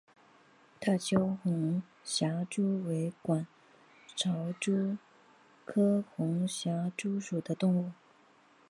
大邱红螯蛛为管巢蛛科红螯蛛属的动物。